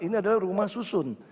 ini adalah rumah susun